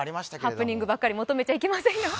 ハプニングばかり求めちゃいけませんよ。